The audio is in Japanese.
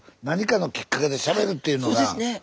何かのきっかけでしゃべるっていうのが。